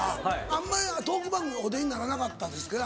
あんまりトーク番組お出にならなかったですかね？